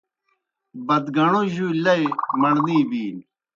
بتگݨو جُولیْ لئی مڑنے بِینیْ۔